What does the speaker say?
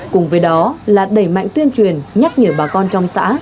cùng với đó là đẩy mạnh tuyên truyền nhắc nhở bà con trong xã